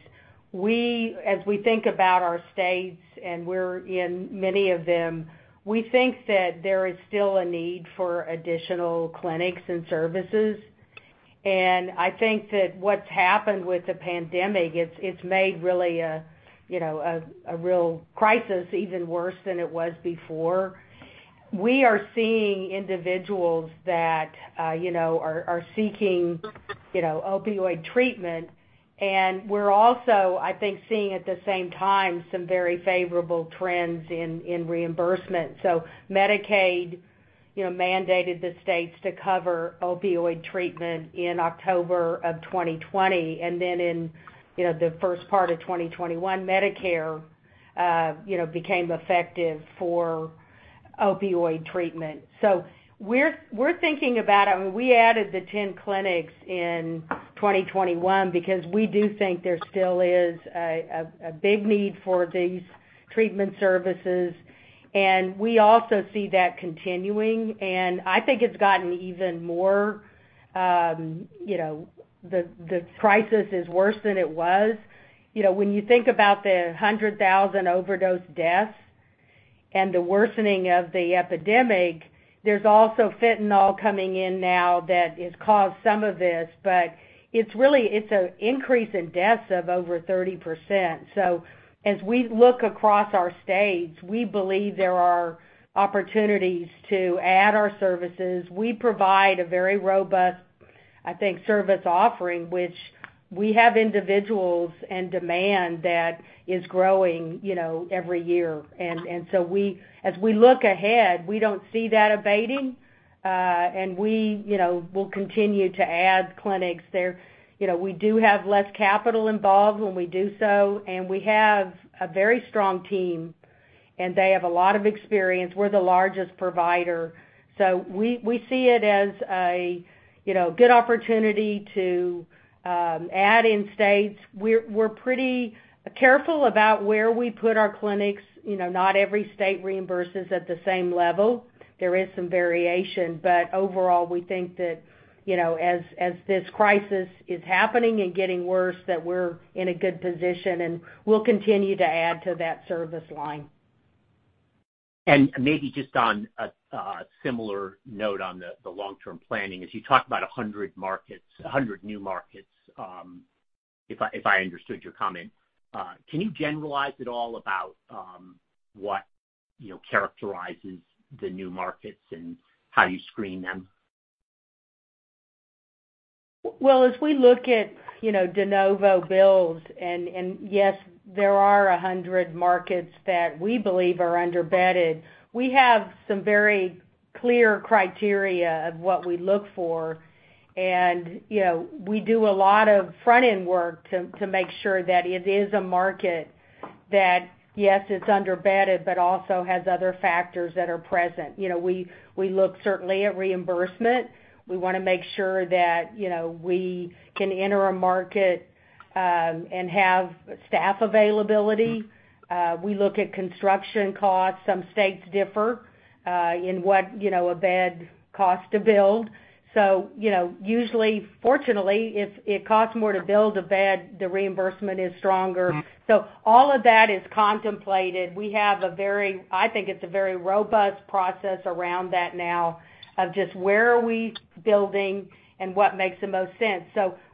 as we think about our states, and we're in many of them, we think that there is still a need for additional clinics and services. I think that what's happened with the pandemic, it's made really a, you know, a real crisis even worse than it was before. We are seeing individuals that, you know, are seeking, you know, opioid treatment, and we're also, I think, seeing at the same time some very favorable trends in reimbursement. Medicaid, you know, mandated the states to cover opioid treatment in October of 2020. Then in, you know, the first part of 2021, Medicare, you know, became effective for opioid treatment. We're thinking about it. I mean, we added the 10 clinics in 2021 because we do think there still is a big need for these treatment services. We also see that continuing. I think it's gotten even more, the crisis is worse than it was. You know, when you think about the 100,000 overdose deaths and the worsening of the epidemic, there's also fentanyl coming in now that has caused some of this, but it's really, it's a increase in deaths of over 30%. So as we look across our states, we believe there are opportunities to add our services. We provide a very robust, I think, service offering, which we have individuals and demand that is growing, you know, every year. We, as we look ahead, we don't see that abating, and we, you know, will continue to add clinics there. You know, we do have less capital involved when we do so, and we have a very strong team, and they have a lot of experience. We're the largest provider. We see it as a you know, good opportunity to add in states. We're pretty careful about where we put our clinics. You know, not every state reimburses at the same level. There is some variation. Overall, we think that, you know, as this crisis is happening and getting worse, that we're in a good position, and we'll continue to add to that service line. Maybe just on a similar note on the long-term planning. As you talk about 100 markets, 100 new markets, if I understood your comment, can you generalize at all about what you know characterizes the new markets and how you screen them? Well, as we look at, you know, de novo builds, and yes, there are 100 markets that we believe are under-bedded, we have some very clear criteria of what we look for. You know, we do a lot of front-end work to make sure that it is a market that, yes, it's under-bedded, but also has other factors that are present. You know, we look certainly at reimbursement. We wanna make sure that, you know, we can enter a market and have staff availability. We look at construction costs. Some states differ in what, you know, a bed costs to build. You know, usually, fortunately, if it costs more to build a bed, the reimbursement is stronger. All of that is contemplated. We have a very, I think it's a very robust process around that now of just where are we building and what makes the most sense.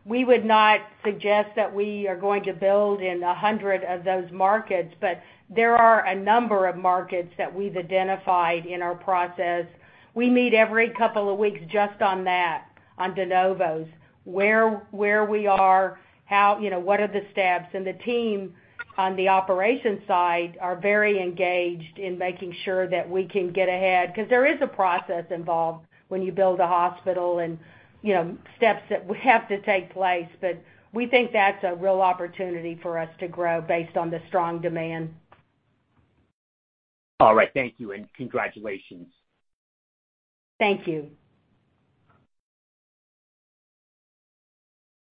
We would not suggest that we are going to build in 100 of those markets, but there are a number of markets that we've identified in our process. We meet every couple of weeks just on that, on de novos, where we are, how, you know, what are the steps. The team on the operations side are very engaged in making sure that we can get ahead, 'cause there is a process involved when you build a hospital and, you know, steps that have to take place. We think that's a real opportunity for us to grow based on the strong demand. All right. Thank you, and congratulations. Thank you.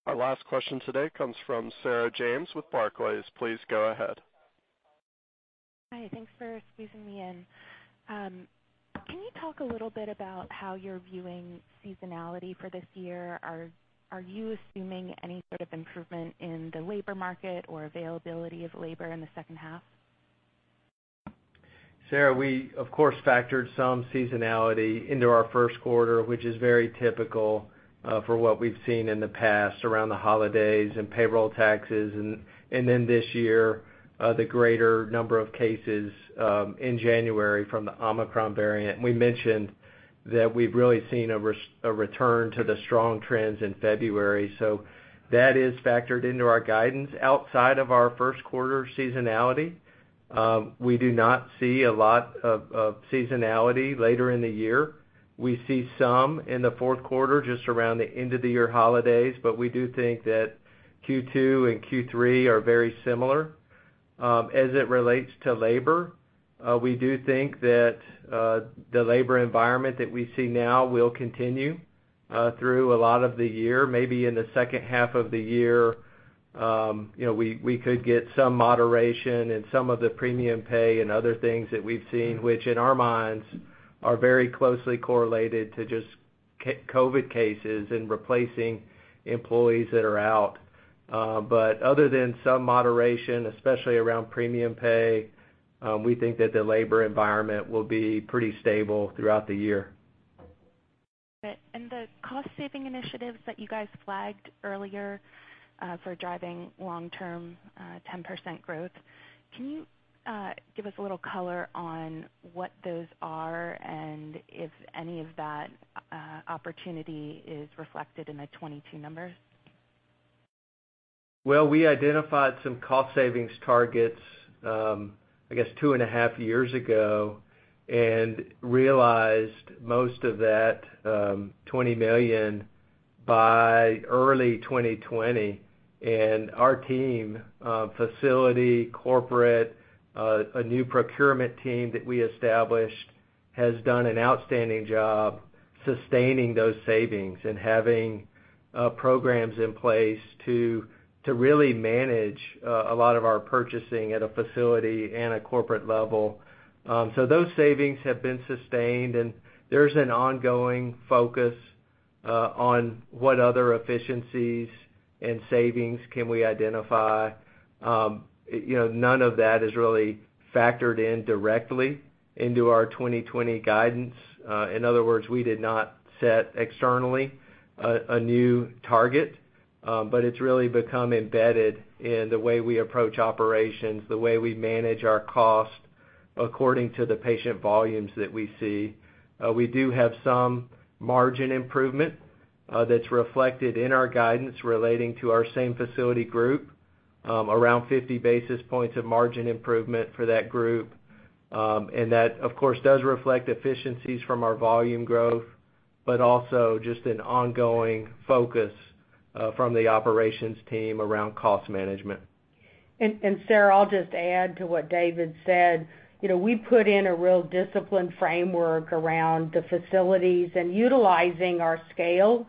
Our last question today comes from Sarah James with Barclays. Please go ahead. Hi. Thanks for squeezing me in. Can you talk a little bit about how you're viewing seasonality for this year? Are you assuming any sort of improvement in the labor market or availability of labor in the second half? Sarah, we of course factored some seasonality into our first quarter, which is very typical for what we've seen in the past around the holidays and payroll taxes and then this year the greater number of cases in January from the Omicron variant. We mentioned that we've really seen a return to the strong trends in February. That is factored into our guidance outside of our first quarter seasonality. We do not see a lot of seasonality later in the year. We see some in the fourth quarter just around the end of the year holidays, but we do think that Q2 and Q3 are very similar. As it relates to labor, we do think that the labor environment that we see now will continue through a lot of the year. Maybe in the second half of the year, you know, we could get some moderation in some of the premium pay and other things that we've seen, which in our minds are very closely correlated to just COVID cases and replacing employees that are out. Other than some moderation, especially around premium pay, we think that the labor environment will be pretty stable throughout the year. The cost saving initiatives that you guys flagged earlier, for driving long-term 10% growth, can you give us a little color on what those are and if any of that opportunity is reflected in the 2022 numbers? Well, we identified some cost savings targets, I guess 2.5 years ago and realized most of that $20 million by early 2020. Our team, facility, corporate, a new procurement team that we established, has done an outstanding job sustaining those savings and having programs in place to really manage a lot of our purchasing at a facility and a corporate level. Those savings have been sustained, and there's an ongoing focus on what other efficiencies and savings can we identify. You know, none of that is really factored in directly into our 2020 guidance. In other words, we did not set externally a new target, but it's really become embedded in the way we approach operations, the way we manage our cost according to the patient volumes that we see. We do have some margin improvement, that's reflected in our guidance relating to our same facility group, around 50 basis points of margin improvement for that group. That, of course, does reflect efficiencies from our volume growth, but also just an ongoing focus from the operations team around cost management. Sarah, I'll just add to what David said. You know, we put in a real disciplined framework around the facilities and utilizing our scale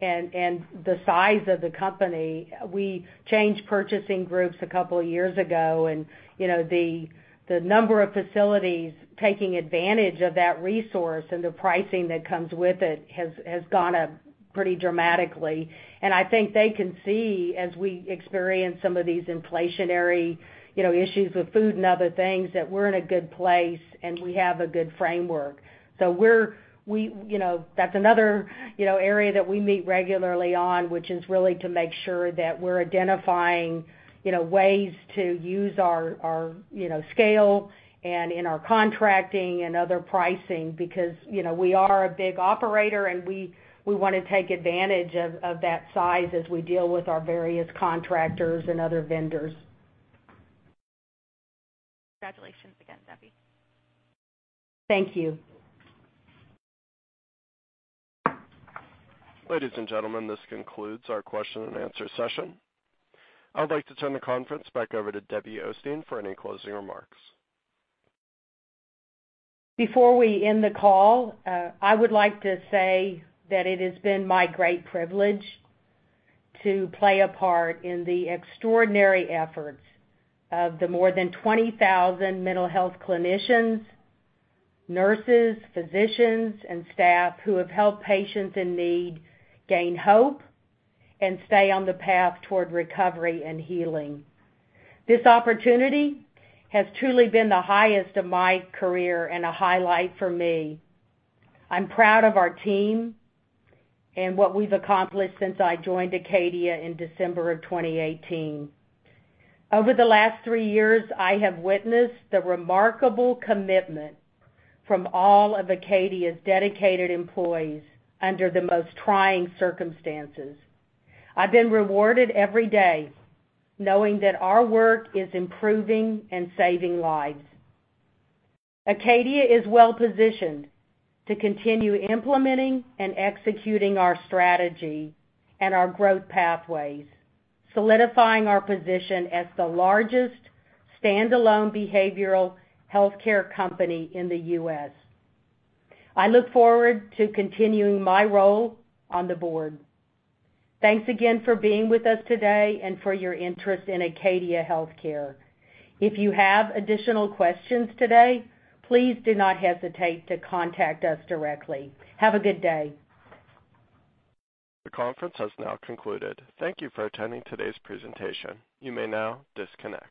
and the size of the company. We changed purchasing groups a couple years ago and, you know, the number of facilities taking advantage of that resource and the pricing that comes with it has gone up pretty dramatically. I think they can see as we experience some of these inflationary, you know, issues with food and other things, that we're in a good place, and we have a good framework. We're you know that's another you know area that we meet regularly on which is really to make sure that we're identifying you know ways to use our you know scale and in our contracting and other pricing because you know we are a big operator and we wanna take advantage of that size as we deal with our various contractors and other vendors. Congratulations again, Debbie. Thank you. Ladies and gentlemen, this concludes our question and answer session. I'd like to turn the conference back over to Debbie Osteen for any closing remarks. Before we end the call, I would like to say that it has been my great privilege to play a part in the extraordinary efforts of the more than 20,000 mental health clinicians, nurses, physicians, and staff who have helped patients in need gain hope and stay on the path toward recovery and healing. This opportunity has truly been the highest of my career and a highlight for me. I'm proud of our team and what we've accomplished since I joined Acadia in December of 2018. Over the last three years, I have witnessed the remarkable commitment from all of Acadia's dedicated employees under the most trying circumstances. I've been rewarded every day knowing that our work is improving and saving lives. Acadia is well-positioned to continue implementing and executing our strategy and our growth pathways, solidifying our position as the largest standalone behavioral healthcare company in the U.S. I look forward to continuing my role on the board. Thanks again for being with us today and for your interest in Acadia Healthcare. If you have additional questions today, please do not hesitate to contact us directly. Have a good day. The conference has now concluded. Thank you for attending today's presentation. You may now disconnect.